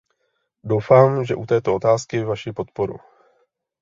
Doufám, že u této otázky Vaši podporu.